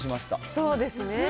そうですね。